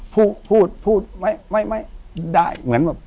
พูดพูดพูดไม่ได้เหมือนแบบ